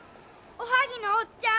おはぎのおっちゃん。